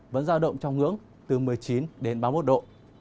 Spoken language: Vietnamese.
vẫn giao động trong ngưỡng từ một mươi chín đến ba mươi một độ